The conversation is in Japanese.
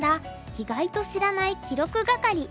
意外と知らない記録係」。